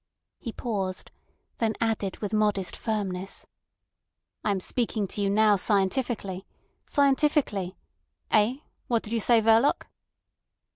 He paused, then added with modest firmness: "I am speaking now to you scientifically—scientifically—Eh? What did you say, Verloc?"